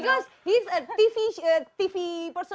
karena dia ingin berbicara